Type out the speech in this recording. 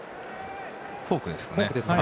フォークですね。